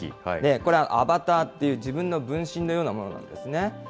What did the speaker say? これ、アバターっていう、自分の分身のようなものなんですね。